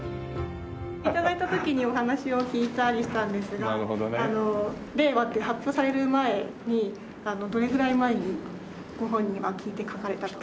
頂いた時にお話を聞いたりしたんですが「令和」って発表される前にどれぐらい前にご本人は聞いて書かれたと思いますか？